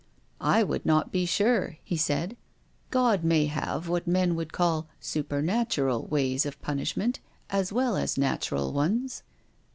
" I would not be sure," he said. " God may have what men would call supernatural ways of punishment as well as natural ones."